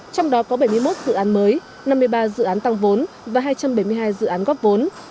trong đó có bảy mươi một dự án mới năm mươi ba dự án tăng vốn và hai trăm bảy mươi hai dự án góp vốn